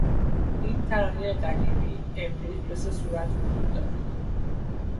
این ترانهی قدیمی امروزه به سه صورت وجود دارد.